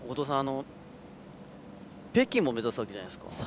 北京も目指すわけじゃないですか。